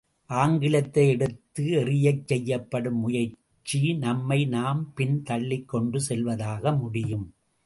ஆங்கிலத்தை எடுத்து எறியச் செய்யப்படும் முயற்சி நம்மை நாம் பின் தள்ளிக் கொண்டு செல்வதாக முடியும்.